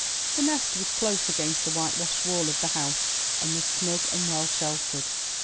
The nest was close against the white washed wall of the house and was snug and well sheltered.